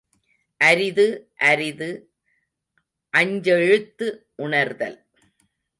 அரிது அரிது, அஞ்செழுத்து உணர்த்தல்.